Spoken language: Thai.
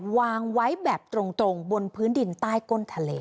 วางไว้แบบตรงบนพื้นดินใต้ก้นทะเล